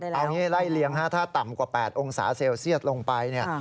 เอาอย่างนี้ไล่เลียงถ้าต่ำกว่า๘องศาเซลเซียสลงไป